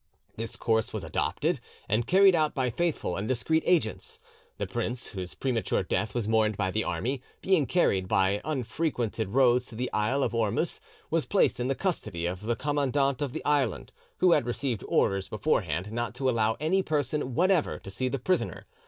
"This course was adopted, and carried out by faithful and discreet agents. The prince, whose premature death was mourned by the army, being carried by unfrequented roads to the isle of Ormus, was placed in the custody of the commandant of the island, who, had received orders beforehand not to allow any person whatever to see the prisoner.